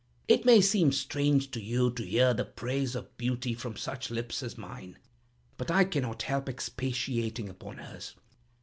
It may seem strange to you to hear the praise of beauty from such lips as mine; but I cannot help expatiating upon hers.